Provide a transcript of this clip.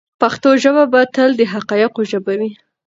پښتو ژبه به تل د حقایقو ژبه وي.